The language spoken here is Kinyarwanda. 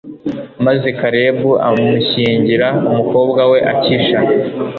maze kalebu amushyingira umukobwa we akisha